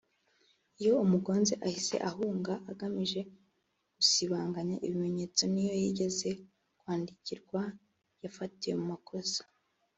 iyo umugonze ahise ahunga agamije gusibanganya ibimenyetso niyo yigeze kwandikirwa yafatiwe mu makosa